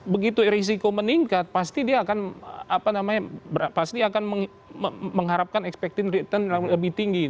begitu risiko meningkat pasti dia akan pasti akan mengharapkan expected return lebih tinggi